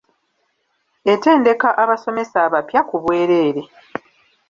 Etendeka abasomesa abapya ku bwereere.